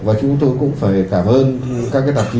và chúng tôi cũng phải cảm ơn các cái tạp chí